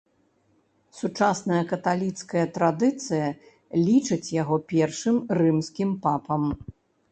Сучасная каталіцкая традыцыя лічыць яго першым рымскім папам.